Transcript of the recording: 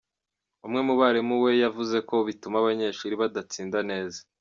Umwe mu barimu we yavuze ko bituma abanyeshuri badatsinda neza.